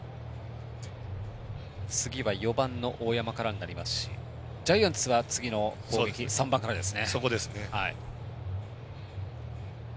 次は４番の大山からになりますしジャイアンツは次の攻撃、３番からですね。